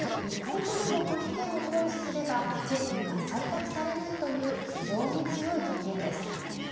１国でも拒否権を行使すれば決議が採択されないという非常に強い権限です。